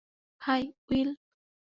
High, will.